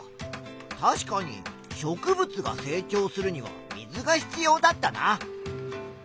確かに植物が成長するには水が必要だったな。